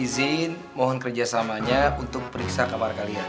ustadzah mpa siti silahkan periksa kamar mereka